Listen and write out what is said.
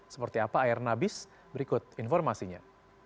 seperti apa air nabis berikut informasinya